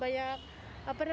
ya keren sih